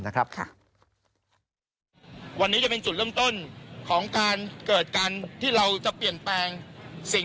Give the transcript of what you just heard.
วันนี้จะเป็นจุดเริ่มต้นของการเกิดการที่เราจะเปลี่ยนแปลงสิ่ง